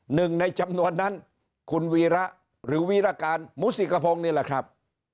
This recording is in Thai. หนึ่งในจำนวนนั้นคุณวีระหรือวีรการมุสิกพงศ์นี่แหละครับ